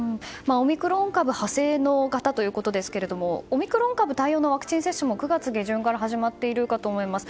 オミクロン株の派生型ということですがオミクロン株対応のワクチン接種も９月下旬から始まっているかと思います。